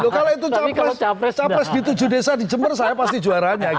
kalau itu capres di tujuh desa di jember saya pasti juaranya